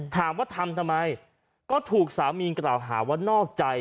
ถามว่าทำทำไมก็ถูกสามีกล่าวหาว่านอกใจ